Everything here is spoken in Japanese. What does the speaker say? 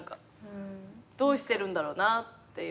どうしてるんだろうなっていう。